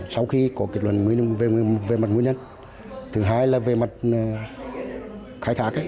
sau khi có kết luận về mặt nguyên nhân thứ hai là về mặt khai thác